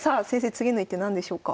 次の一手何でしょうか？